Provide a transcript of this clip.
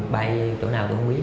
bay chỗ nào tôi không biết